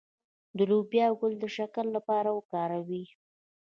د لوبیا ګل د شکر لپاره وکاروئ